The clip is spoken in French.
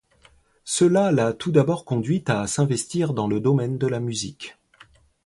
Cela l'a tout d'abord conduite à s'investir dans le domaine de la musique.